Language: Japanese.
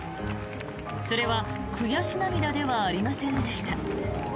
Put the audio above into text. それは悔し涙ではありませんでした。